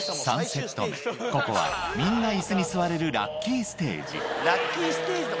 ３セット目、ここは、みんないすに座れるラッキーステージ。